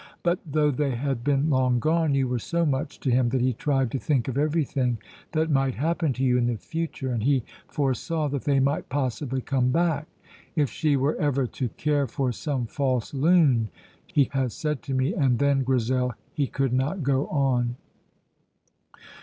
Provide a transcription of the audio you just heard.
But though they had been long gone, you were so much to him that he tried to think of everything that might happen to you in the future, and he foresaw that they might possibly come back. 'If she were ever to care for some false loon!' he has said to me, and then, Grizel, he could not go on."